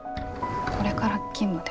これから勤務で。